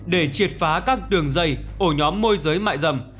để triệt phá các đường dây ổ nhóm môi giới mại dâm